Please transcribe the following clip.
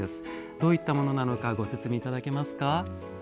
どういったものなのかご説明頂けますか？